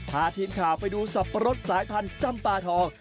พาทีมข่าวไปดูสับปะรดสายพันธุ์จำปาทอง